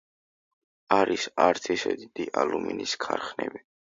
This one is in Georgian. არის არც ისე დიდი ალუმინის ქარხნები.